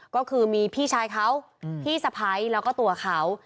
ก็คือมีพี่ชายเขาพี่สะพ้ายแล้วก็ตัวเขา